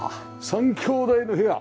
３兄弟の部屋。